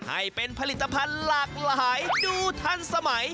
ให้เป็นผลิตภัณฑ์หลากหลายดูทันสมัย